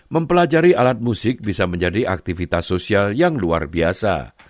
mempelajari alat musik bisa menjadi aktivitas sosial yang luar biasa